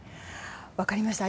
分かりました。